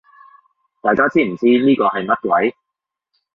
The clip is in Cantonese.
大家知唔知呢個係乜鬼